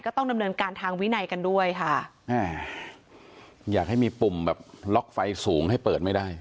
ต้องดำเนินการทางวินัยกันด้วยค่ะอ่าอยากให้มีปุ่มแบบล็อกไฟสูงให้เปิดไม่ได้